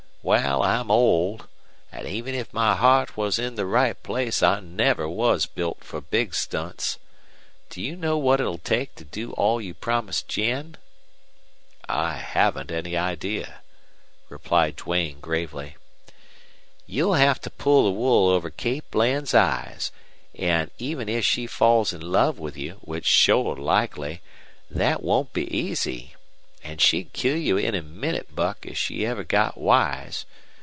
Wal, I'm old, an' even if my heart was in the right place I never was built fer big stunts. Do you know what it'll take to do all you promised Jen?" "I haven't any idea," replied Duane, gravely. "You'll have to pull the wool over Kate Bland's eyes, ant even if she falls in love with you, which's shore likely, thet won't be easy. An' she'd kill you in a minnit, Buck, if she ever got wise.